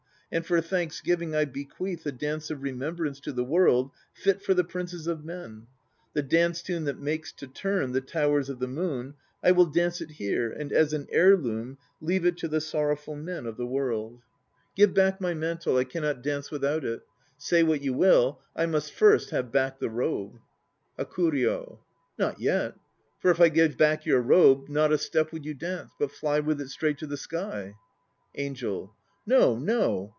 And for thanksgiving I bequeath A dance of remembrance to the world, Fit for the princes of men: The dance tune that makes to turn The towers of the moon, I will dance it here and as an heirloom leave it To the sorrowful men of the world. 1 The sacred bird of heaven. 182 THE NO PLAYS OF JAPAN Give back my mantle, I cannot dance without it. Say what you will, I must first have back the robe. HAKURYO. Not yet, for if I give back your robe, not a step would you dance, but fly with it straight to the sky. ANGEL. No, no.